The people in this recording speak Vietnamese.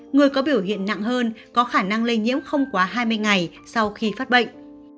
người có biểu hiện nặng hơn có khả năng lây nhiễm không quá hai mươi ngày sau khi phát bệnh